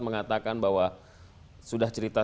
mengatakan bahwa sudah cerita